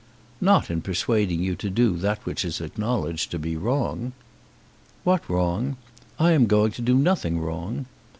"Not in persuading you to do that which is acknowledged to be wrong." "What wrong? I am going to do nothing wrong."